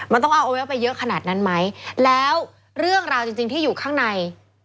มันต้องเอาเอาไว้ไปเยอะขนาดนั้นไหมแล้วเรื่องราวจริงที่อยู่ข้างใน